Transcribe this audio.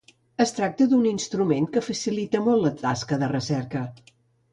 Es tracta d’un instrument que facilita molt la tasca de recerca.